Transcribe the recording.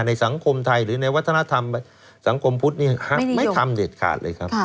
ในสังคมไทยหรือในวัฒนธรรมสังคมพุทธนี่ไม่ทำเด็ดขาดเลยครับ